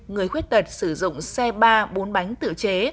người khuyết tật sử dụng xe ba bốn bánh tự chế